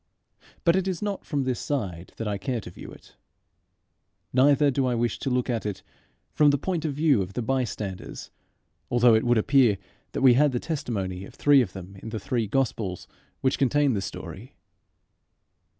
But it is not from this side that I care to view it. Neither do I wish to look at it from the point of view of the bystanders, although it would appear that we had the testimony of three of them in the three Gospels which contain the story.